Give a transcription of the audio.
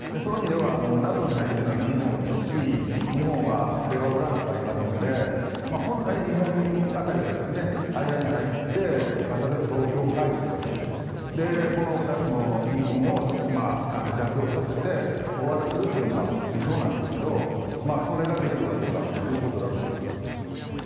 ＮＡＴＯに入ってないのは日本ですし日本は平和ブランドがありますので本来、日本辺りが間に入って例えば東京会議とかして２つの言い分を妥協させて終わらせるというのが理想なんですけどそれができるかどうかというところだと思います。